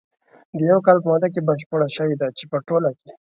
د یوه کال په موده کې بشپره شوې ده، چې په ټوله کې